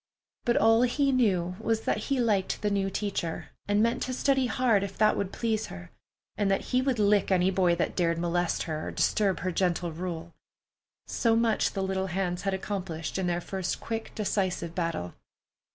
But all he knew was that he liked the new teacher, and meant to study hard, if that would please her, and that he would lick any boy that dared molest her or disturb her gentle rule. So much the little hands had accomplished in their first quick, decisive battle.